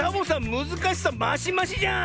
むずかしさマシマシじゃん！